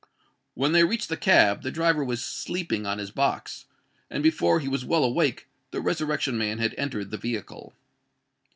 When they reached the cab, the driver was sleeping on his box; and before he was well awake, the Resurrection Man had entered the vehicle.